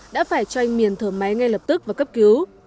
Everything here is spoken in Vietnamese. đã phải cho anh miền thở máy ngay lập tức và cấp cứu